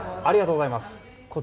ありがとうございます。